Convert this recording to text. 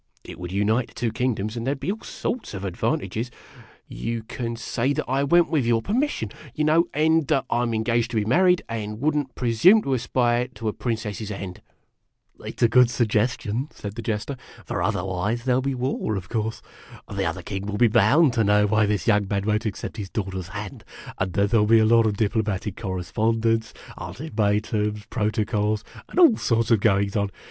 It would unite the two kino doms, and there 'd be all sorts of advantages. o o You can say that I went with your permission, you know, and that THE PRINCE S COUNCILORS H5 I 'm engaged to be married, and would n't presume to aspire to a princess's hand." " It 's a good suggestion," said the Jester; " for otherwise there '11 be war, of course. The other king will be bound to know why this young man won't accept his daughter's hand, and then there '11 be a lot of diplomatic correspondence, ultimatums, protocols, and all sorts of goings on.